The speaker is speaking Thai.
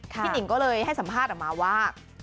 หนิงก็เลยให้สัมภาษณ์ออกมาว่า